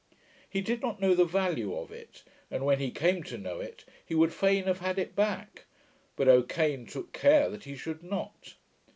He did not know the value of it; and when he came to know it, he would fain have had it back; but O'Kane took care that he should not.